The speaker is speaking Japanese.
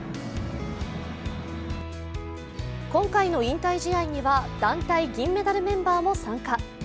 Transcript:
今回の引退試合には団体銀メダルメンバーも参加。